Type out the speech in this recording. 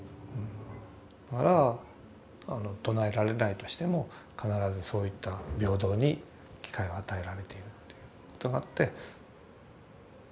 だから唱えられないとしても必ずそういった平等に機会は与えられているってことがあって。